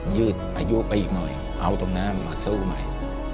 ยืดอายุไปอีกหน่อยเอาตรงนั้นมาสู้ใหม่